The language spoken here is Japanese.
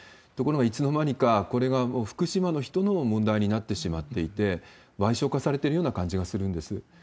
ところがいつの間にか、これがもう福島の人の問題になってしまっていて、矮小化されてるような感じがするんです。